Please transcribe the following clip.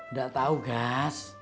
ndak tau gas